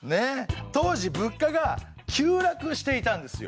当時物価が急落していたんですよ。